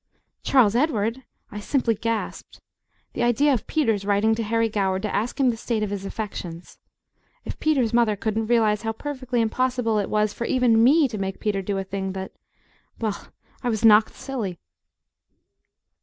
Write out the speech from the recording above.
Charles Edward! I simply gasped. The idea of Peter's writing to Harry Goward to ask him the state of his affections! If Peter's mother couldn't realize how perfectly impossible it was for even ME to make Peter do a thing that Well I was knocked silly.